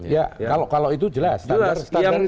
ya kalau itu jelas